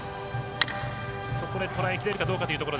そこでとらえきれるかというところ。